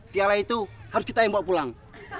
piala itu harus kita yang bawa pulang